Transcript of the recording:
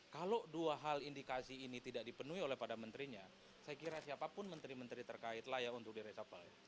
kalau dua hal indikasi ini tidak dipenuhi oleh pada menterinya saya kira siapapun menteri menteri terkait layak untuk di resapel